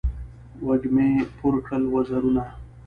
وږمې پور کړل وزرونه